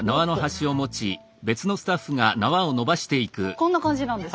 こんな感じなんです。